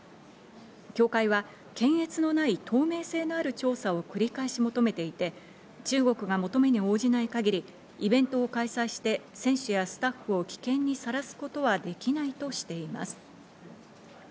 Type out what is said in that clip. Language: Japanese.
協会は検閲のない透明性のある調査を繰り返し求めていて、中国が求めに応じない限り、イベントを開催して選手やスタッフを危険にさらすことはできないとしています。